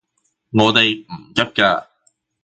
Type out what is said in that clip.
我哋唔急㗎